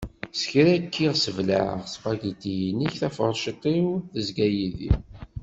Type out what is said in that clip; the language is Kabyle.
S kra kkiɣ sseblaɛeɣ ssbagiti-inek, tafurciṭ-iw tezga yid-i.